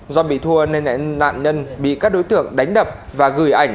do bị thua nên nạn nhân bị các đối tượng đánh đập và gửi ảnh